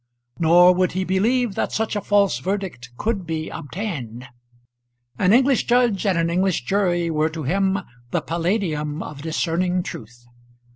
Nor would he believe that such a false verdict could be obtained. An English judge and an English jury were to him the Palladium of discerning truth.